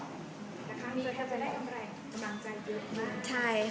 แล้วครั้งนี้แพทย์จะได้กำแรงกำลังใจเยอะมาก